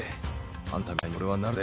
アンタみたいに俺はなるぜ。